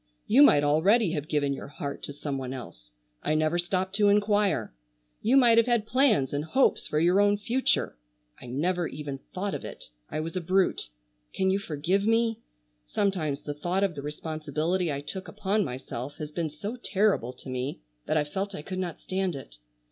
You might already have given your heart to some one else; I never stopped to inquire. You might have had plans and hopes for your own future; I never even thought of it. I was a brute. Can you forgive me? Sometimes the thought of the responsibility I took upon myself has been so terrible to me that I felt I could not stand it.